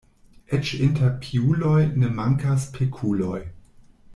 Eĉ inter piuloj ne mankas pekuloj.